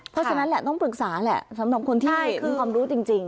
เพราะฉะนั้นแหละต้องปรึกษาแหละสำหรับคนที่ขึ้นความรู้จริง